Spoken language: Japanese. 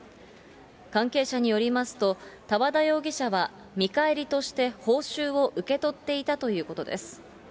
関係者によりますと、多和田容疑者は見返りとして報酬を受け取っていたということです。